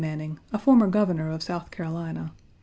Manning, a former Governor of South Carolina.